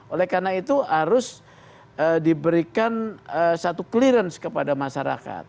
oleh karena itu harus diberikan satu clearance kepada masyarakat